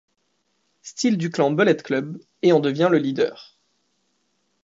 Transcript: Styles du clan Bullet Club et en devient le leader.